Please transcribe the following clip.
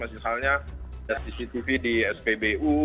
soalnya cctv di spbu